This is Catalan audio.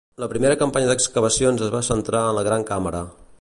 La primera campanya d'excavacions es va centrar en la gran càmera.